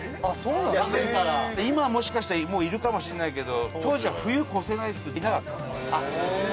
今は、もしかしたらもう、いるかもしれないけど当時は、冬越せないって言っていなかったの。